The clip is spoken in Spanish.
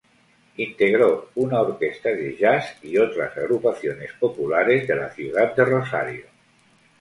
Integró una orquesta de jazz y otras agrupaciones populares de la ciudad de Rosario.